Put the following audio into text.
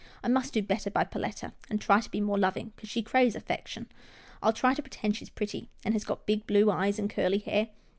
I must do better by Perletta and try to be more loving, 'cause she craves affection. I'll try to pretend she's pretty, and has got blue eyes and curly hair.